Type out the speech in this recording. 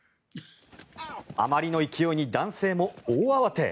あまりの勢いに男性も大慌て。